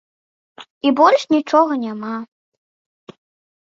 І больш нічога няма.